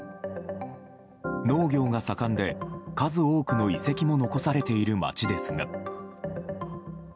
農業が盛んで数多くの遺跡も残されている町ですが。